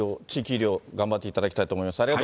地域医療、頑張っていただきたいと思います。